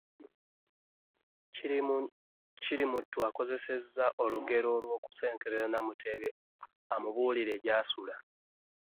Kirimuttu akozesezza olugero olwo asosonkereze Namutebi amubuulire gy'asula.